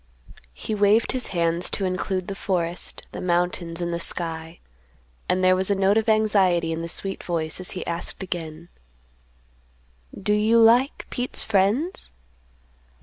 He waved his hands to include the forest, the mountains and the sky; and there was a note of anxiety in the sweet voice as he asked again: "Do you like Pete's friends?"